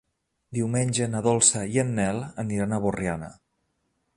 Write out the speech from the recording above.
Diumenge na Dolça i en Nel aniran a Borriana.